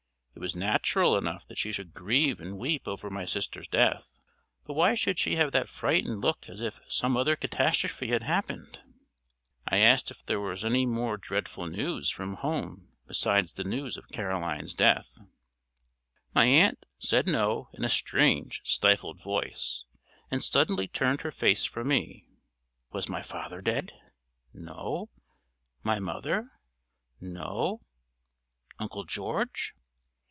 It was natural enough that she should grieve and weep over my sister's death, but why should she have that frightened look as if some other catastrophe had happened? I asked if there was any more dreadful news from home besides the news of Caroline's death. My aunt, said No in a strange, stifled voice, and suddenly turned her face from me. Was my father dead? No. My mother? No. Uncle George?